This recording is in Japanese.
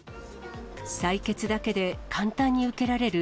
採血だけで簡単に受けられる